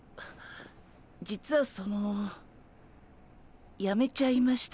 実はそのやめちゃいました。